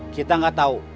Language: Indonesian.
kita gak tau